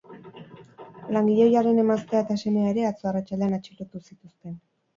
Langile ohiaren emaztea eta semea ere atzo arratsaldean atxilotu zituzten.